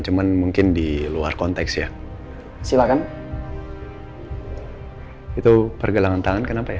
cuman mungkin di luar konteks ya silakan itu pergelangan tangan kenapa ya